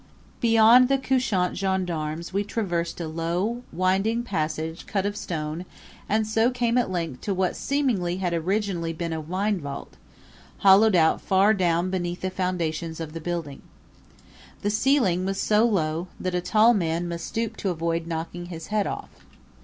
Beyond the couchant gendarmes we traversed a low, winding passage cut out of stone and so came at length to what seemingly had originally been a winevault, hollowed out far down beneath the foundations of the building. The ceiling was so low that a tall man must stoop to avoid knocking his head off.